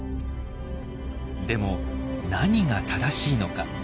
でも何が正しいのか。